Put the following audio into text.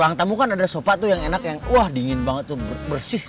bang tamu kan ada sopa tuh yang enak yang wah dingin banget tuh bersih